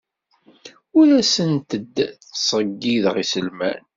Ur asent-d-ttṣeyyideɣ iselman.